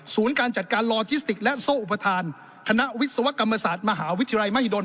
การจัดการลอทิสติกและโซ่อุปทานคณะวิศวกรรมศาสตร์มหาวิทยาลัยมหิดล